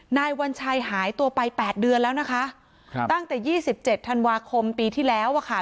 นายวัญชัยหายตัวไป๘เดือนแล้วนะคะตั้งแต่๒๗ธันวาคมปีที่แล้วค่ะ